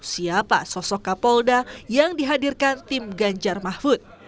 siapa sosok kapolda yang dihadirkan tim ganjar mahfud